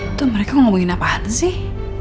itu mereka ngomongin apaan sih